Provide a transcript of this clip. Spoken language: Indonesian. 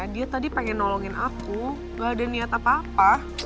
dia tadi pengen nolongin aku gak ada niat apa apa